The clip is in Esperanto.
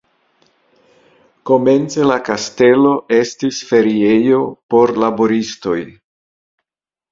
Komence la kastelo estis feriejo por laboristoj.